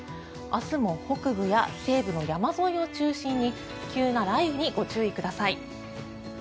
明日も北部や西部の山沿いを中心に急な雷雨にご注意ください。